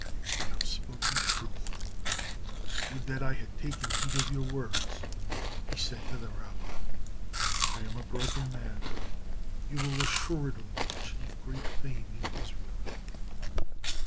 "You have spoken truth; would that I had taken heed of your words," he said to the rabbi. "I am a broken man. You will assuredly achieve great fame in Israel."